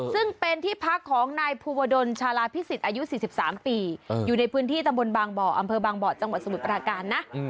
ซึ่งเป็นที่พักของนายภูวดลชาลาพิสิทธิ์อายุ๔๓ปีอยู่ในพื้นที่ตำบลบางบ่ออำเภอบางบ่อจังหวัดสมุทรปราการนะ